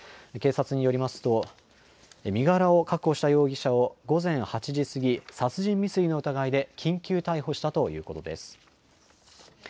警察によりますと、身柄を確保した容疑者を午前８時過ぎ、殺人未遂の疑いで緊急逮捕したということです。